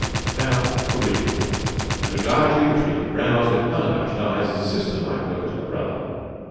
They are original, and regard you between the brows with unabashed eyes as a sister might look at her brother.